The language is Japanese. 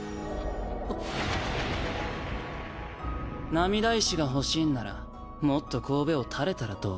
涙石が欲しいんならもっと頭を垂れたらどう？